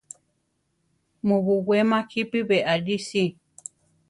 Mu buwéma jípi beʼalí si.